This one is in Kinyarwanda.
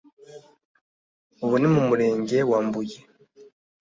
ubu ni mu Murenge wa Mbuye